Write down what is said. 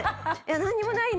「なんにもないね」